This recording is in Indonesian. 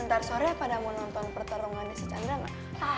ntar sore apa nak nonton pertarungannya si chandra nak